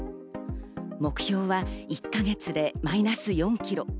目標は１か月でマイナス４ｋｇ。